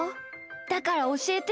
だからおしえて。